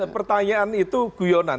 pertanyaan itu guyonan